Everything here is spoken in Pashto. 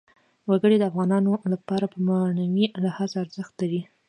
وګړي د افغانانو لپاره په معنوي لحاظ ارزښت لري.